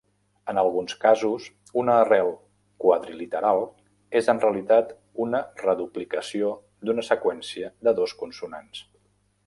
En alguns casos, una arrel quadriliteral és en realitat una reduplicació d'una seqüència de dos consonants.